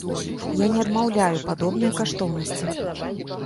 Я не адмаўляю падобныя каштоўнасці.